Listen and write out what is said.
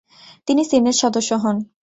তিনি সিনেট সদস্য হন।